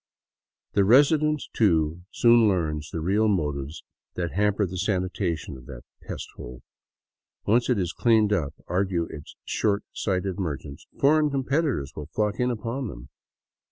The resident, too, soon learns the real motives that hamper the sanitation of that pest hole. Once it is " cleaned up," argue its short sighted merchants, foreign competitors will flock in upon them.